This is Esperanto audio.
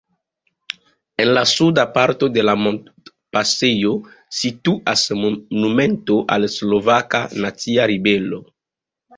En la suda parto de la montpasejo situas monumento al Slovaka nacia ribelo.